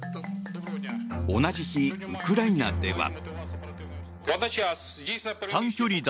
同じ日、ウクライナでは。